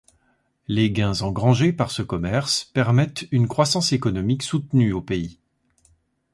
Les gains engrangés par ce commerce permettent une croissance économique soutenue au pays.